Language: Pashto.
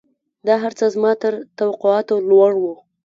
دا هرڅه زما تر توقعاتو لوړ وو.